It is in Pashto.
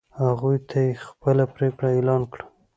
هغوی ته یې خپله پرېکړه اعلان کړه.